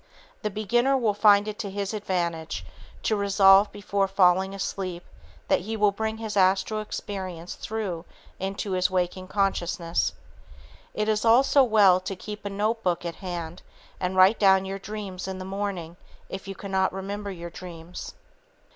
The beginner will find it to his advantage, to resolve before falling asleep that he will bring his astral experience through into his waking consciousness. It is also well to keep a notebook at hand and write down your dreams in the morning, if you cannot remember your dreams.